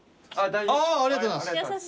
ありがとうございます。